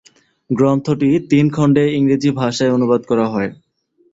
গ্রন্থটি তিন খন্ডে ইংরেজি ভাষায় অনুবাদ করা হয়।